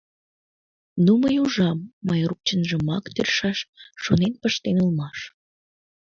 Ну, мый ужам: Майрук чынжымак тӧршташ шонен пыштен улмаш.